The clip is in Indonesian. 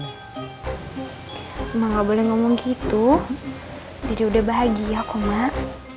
emak gak boleh ngomong gitu dede udah bahagia kok emak